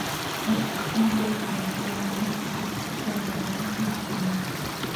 Juntos lo entrenan para que participe en el Grand National.